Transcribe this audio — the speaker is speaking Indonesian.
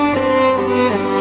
suara guru indah sekali